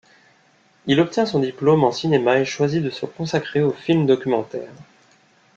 Il obtient son diplôme en cinéma et choisit de se consacrer au film documentaire.